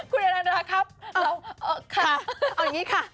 คุณอนานะครับเอาแบบนี้ค่ะ